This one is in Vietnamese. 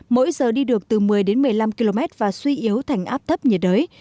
mỗi giờ đi được từ một mươi một mươi năm km và suy yếu thành áp thấp nhiệt đới